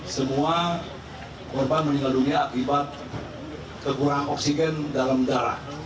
semua korban meninggal dunia akibat kekurangan oksigen dalam darah